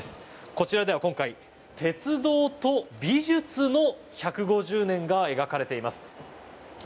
こちらでは今回、鉄道と美術の１５０年が描かれています。